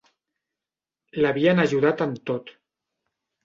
L'havien ajudat en tot.